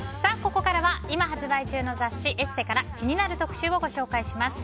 ここからは今、発売中の雑誌「ＥＳＳＥ」から気になる特集をご紹介します。